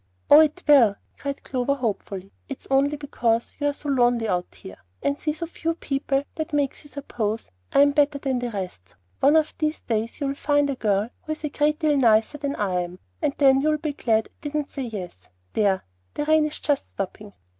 "Oh, it will," cried Clover, hopefully. "It's only because you're so lonely out here, and see so few people, that makes you suppose I am better than the rest. One of these days you'll find a girl who is a great deal nicer than I am, and then you'll be glad that I didn't say yes. There! the rain is just stopping."